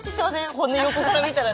骨横から見たら。